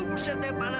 tanda tanda tanda tanda